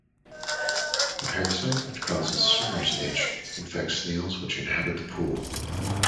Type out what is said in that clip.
The parasite, which causes swimmer's itch, infects snails which inhabit the pool.